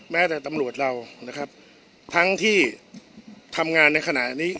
แม้แต่ตำรวจเรานะครับทั้งที่ทำงานในขณะนี้